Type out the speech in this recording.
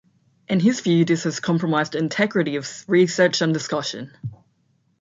In his view this has compromised the integrity of research and discussion.